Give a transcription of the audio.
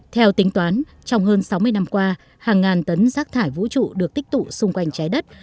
theo tính toán trong hơn sáu mươi năm qua hàng ngàn tấn rác thải vũ trụ được tích tụ xung quanh trái đất